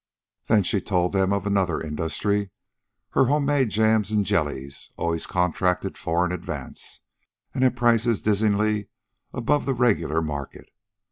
Then she told them of another industry, her home made jams and jellies, always contracted for in advance, and at prices dizzyingly beyond the regular market.